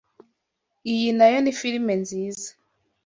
Iyi nayo ni firime nziza.